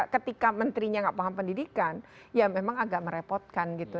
ketika menterinya nggak paham pendidikan ya memang agak merepotkan gitu